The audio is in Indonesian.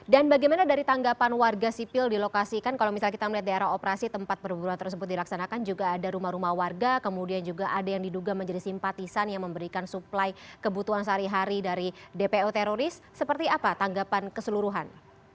dan bagaimana dari tanggapan warga sipil di lokasikan kalau misalnya kita melihat daerah operasi tempat perburu tersebut dilaksanakan juga ada rumah rumah warga kemudian juga ada yang diduga menjadi simpatisan yang memberikan suplai kebutuhan sehari hari dari dpo teroris seperti apa tanggapan keseluruhan